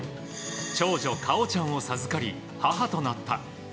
長女・果緒ちゃんを授かり母となった。